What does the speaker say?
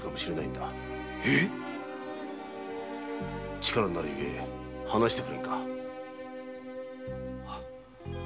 力になる故話してくれんか。